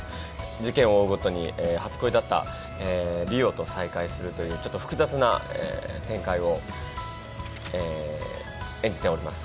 事件を追うごとに初恋だった梨央と再会するというちょっと複雑な展開を演じております。